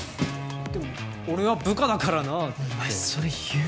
でも俺は部下だからなあってお前それ言う？